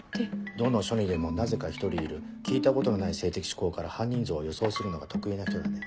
どの署にでもなぜか１人いる聞いたことのない性的嗜好から犯人像を予想するのが得意な人だね。